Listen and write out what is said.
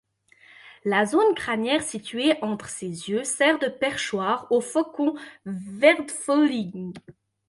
La zone crânière située entre ses yeux sert de perchoir au faucon Vedrfölnir.